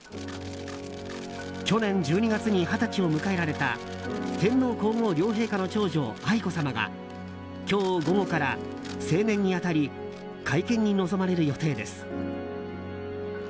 去年１２月に二十歳を迎えられた天皇・皇后両陛下の長女・愛子さまが今日午後から成年に当たり会見に臨まれる予定です。